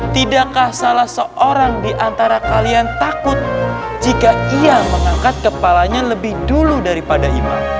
tidakkah salah seorang di antara kalian takut jika ia mengangkat kepalanya lebih dulu daripada imam